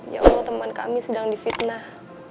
ya allah teman kami sedang difitnah